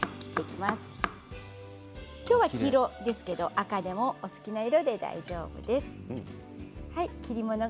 きょうは黄色ですけど赤でもお好きな色で大丈夫です。